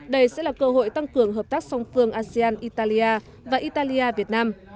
đây sẽ là cơ hội tăng cường hợp tác song phương asean italia và italia việt nam